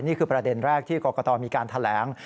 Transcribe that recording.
นี่คือประเด็นแรกที่กรกตมีการแถลง